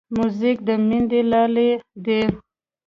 موزیک د میندې لالې دی.